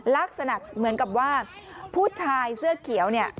ลักษณะเหมือนกับว่าผู้ชายเสื้อเขียวเนี่ย